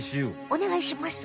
おねがいします。